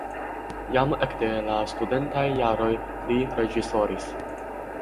Jam ekde la studentaj jaroj li reĝisoris.